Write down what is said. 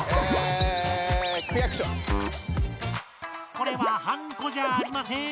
これはハンコじゃありません。